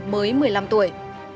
mới một mươi năm tuổi